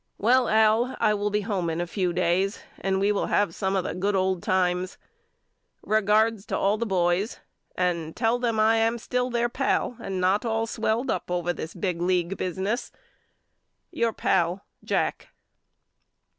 Well Al I will be home in a few days and we will have some of the good old times. Regards to all the boys and tell them I am still their pal and not all swelled up over this big league busi ness. Your pal, JACK.